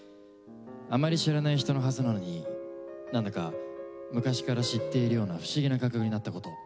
あまり知らない人のはずなのに何だか昔から知っているような不思議な感覚になったこと。